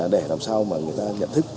để làm sao mà người ta nhận thức